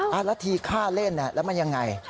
แล้วทีค่าเล่นแล้วมันยังไง